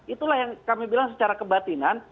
itulah yang kami bilang secara kebatinan